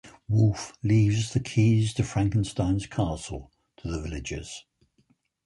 Wolf leaves the keys to Frankenstein's Castle to the villagers.